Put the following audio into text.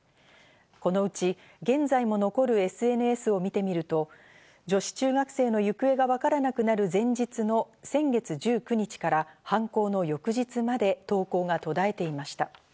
このうち現在も残るＳＮＳを見てみると、女子中学生の行方がわからなくなる前日の先月１９日から犯行の翌日まで投稿が途絶えていました。